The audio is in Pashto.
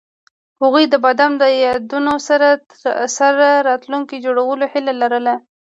هغوی د بام له یادونو سره راتلونکی جوړولو هیله لرله.